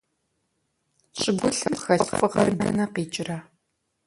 ЩӀыгулъым хэлъ фыгъэр дэнэ къикӀрэ?